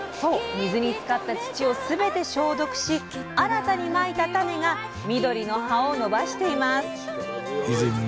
水につかった土を全て消毒し新たにまいた種が緑の葉を伸ばしています。